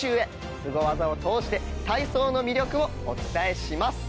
スゴ技を通して体操の魅力をお伝えします。